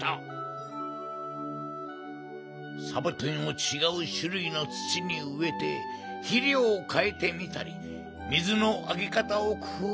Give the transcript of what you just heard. サボテンをちがうしゅるいのつちにうえてひりょうをかえてみたりみずのあげかたをくふうしたり。